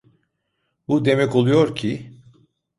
Bu demek oluyor ki…